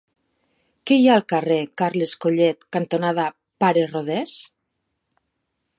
Què hi ha al carrer Carles Collet cantonada Pare Rodés?